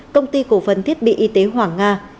công ty cổ phần thiết bị y tế hoàng nga